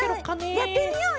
やってみようよ！